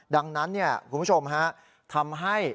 ดังนั้นคุณผู้ชมทำให้